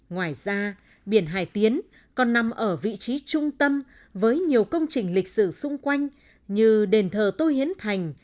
ngoài ra biển hải tiến còn nằm ở vị trí trung tâm với nhiều công trình lịch sử xung quanh như đền thờ tô hiến thành